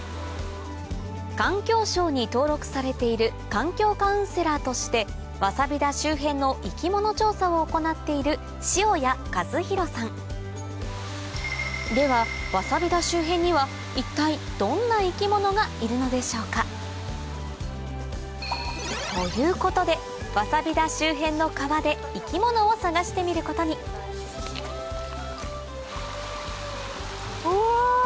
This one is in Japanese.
環境省に登録されている環境カウンセラーとしてわさび田周辺の生き物調査を行っているではわさび田周辺には一体どんな生き物がいるのでしょうか？ということでわさび田周辺の川で生き物を探してみることにうわ！